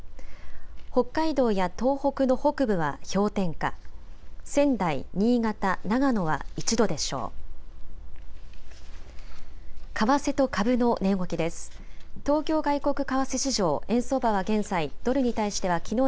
北海道や東北の北部は氷点下、仙台、新潟、長野は１度でしょう。